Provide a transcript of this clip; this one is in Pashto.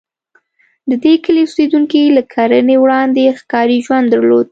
د دې کلي اوسېدونکي له کرنې وړاندې ښکاري ژوند درلود.